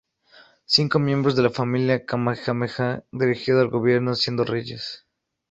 Cinco miembros de la familia Kamehameha dirigirían el gobierno siendo reyes.